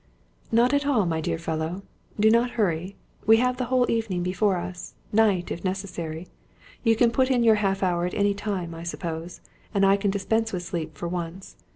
"Not at all, my dear fellow. Do not hurry. We have the whole evening before us night, if necessary. You can put in your half hour at any time, I suppose; and I can dispense with sleep for once.